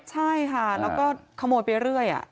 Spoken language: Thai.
ใช่ค่ะแล้วก็ขโมยไปเรื่อย